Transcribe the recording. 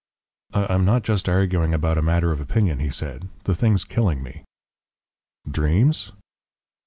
"I'm not just arguing about a matter of opinion," he said. "The thing's killing me." "Dreams?"